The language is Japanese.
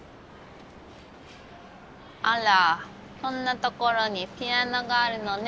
あらこんなところにピアノがあるのね。